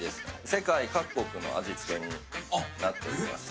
世界各国の味付けになっていまして。